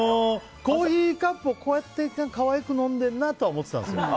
コーヒーカップを可愛く飲んでるなとは思ってたんです。